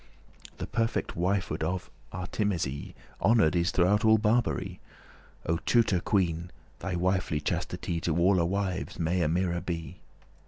<25> The perfect wifehood of Artemisie <26> Honoured is throughout all Barbarie. O Teuta <27> queen, thy wifely chastity To alle wives may a mirror be."